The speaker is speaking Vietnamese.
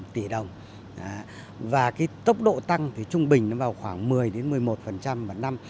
tỷ đồng và tốc độ tăng trung bình vào khoảng một mươi một mươi một vào năm